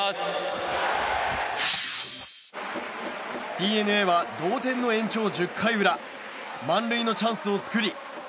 ＤｅＮＡは同点の延長１０回裏満塁のチャンスを作り